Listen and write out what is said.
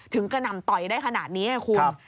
ถึงกระนำตอยได้ขนาดนี้คุณ